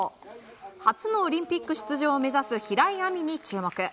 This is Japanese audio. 初のオリンピック出場を目指す平井亜実に注目。